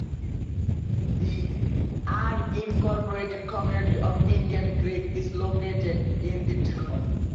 The unincorporated community of Indian Creek is located in the town.